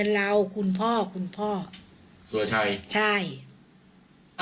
ทรัพย์สินที่เป็นของฝ่ายหญิง